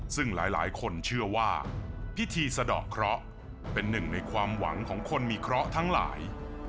ซึ่งหลายคนเชื่อว่าพิธีสะดอกเคราะห์เป็นหนึ่งในความหวังของคนมีเคราะห์ทั้งหลาย